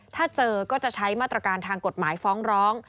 ถ้าเจอก็จะใช้มาตรการทางกฎหมายฟ้องร้อง